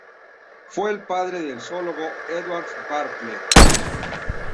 Fue el padre del zoólogo Edward Bartlett.